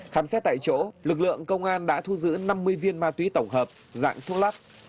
khám xét tại chỗ lực lượng công an đã thu giữ năm mươi viên ma túy tổng hợp dạng thuốc lắc